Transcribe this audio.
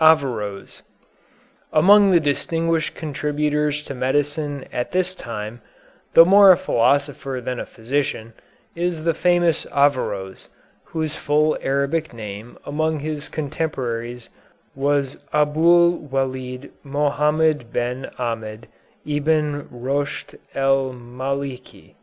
AVERROËS Among the distinguished contributors to medicine at this time, though more a philosopher than a physician, is the famous Averroës, whose full Arabic name among his contemporaries was Abul Welid Mohammed Ben Ahmed Ibn Roschd el Maliki.